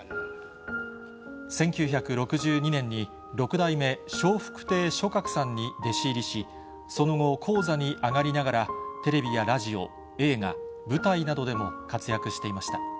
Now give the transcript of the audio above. １９６２年に６代目笑福亭松鶴さんに弟子入りし、その後、高座に上がりながら、テレビやラジオ、映画、舞台などでも活躍していました。